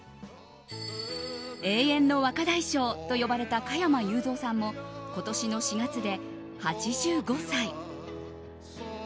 永遠の若大将と呼ばれた加山雄三さんも今年の４月で８５歳。